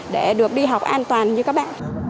để được đi học an toàn như các bạn